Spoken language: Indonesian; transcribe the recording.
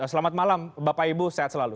selamat malam bapak ibu sehat selalu